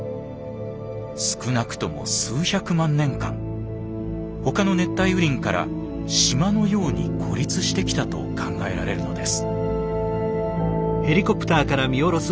少なくとも数百万年間他の熱帯雨林から島のように孤立してきたと考えられるのです。